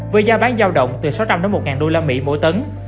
với giá bán giao động từ sáu trăm linh một usd mỗi tấn